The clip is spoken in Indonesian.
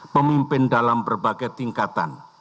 pemimpin dalam berbagai tingkatan